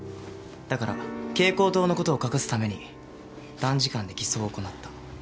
だから蛍光灯の事を隠すために短時間で偽装を行った。